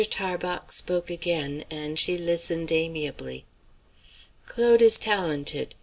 Tarbox spoke again, and she listened amiably. "Claude is talented.